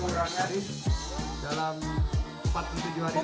dalam empat puluh tujuh hari lagi